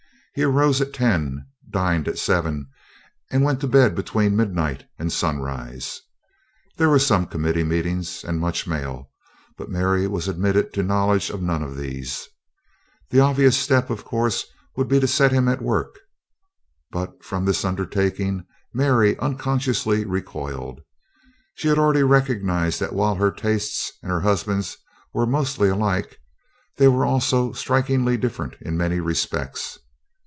He arose at ten, dined at seven, and went to bed between midnight and sunrise. There was some committee meetings and much mail, but Mary was admitted to knowledge of none of these. The obvious step, of course, would be to set him at work; but from this undertaking Mary unconsciously recoiled. She had already recognized that while her tastes and her husband's were mostly alike, they were also strikingly different in many respects.